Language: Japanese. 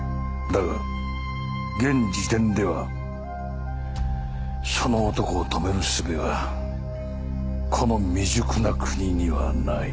だが現時点ではその男を止める術はこの未熟な国にはない。